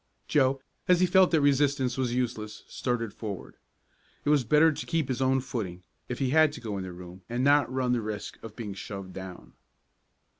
Joe, as he felt that resistance was useless, started forward. It was better to keep his own footing, if he had to go in the room and not run the risk of being shoved down.